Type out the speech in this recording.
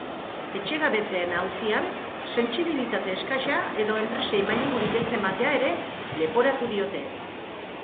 Etxegabetzeen auzian sentsibilitate eskasa edo enpresei mailegurik ez ematea ere leporatu diote.